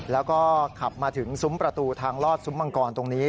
แล้วก็ขับมาถึงซุ้มประตูทางลอดซุ้มมังกรตรงนี้